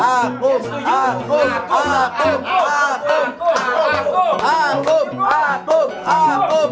akum akum akum akum akum akum akum